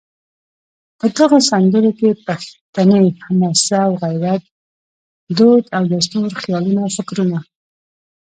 په دغو سندرو کې پښتني حماسه او غیرت، دود او دستور، خیالونه او فکرونه